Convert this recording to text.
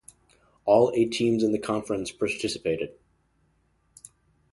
All eight teams in the conference participated.